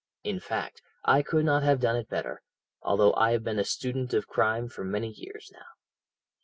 In fact, I could not have done it better, although I have been a student of crime for many years now.